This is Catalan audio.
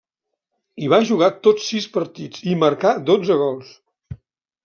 Hi va jugar tots sis partits, i marcà dotze gols.